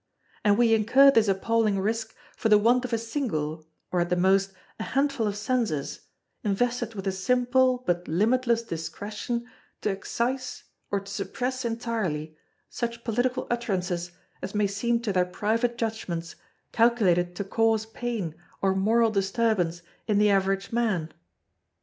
And we incur this appalling risk for the want of a single, or at the most, a handful of Censors, invested with a simple but limitless discretion to excise or to suppress entirely such political utterances as may seem to their private judgments calculated to cause pain or moral disturbance in the average man.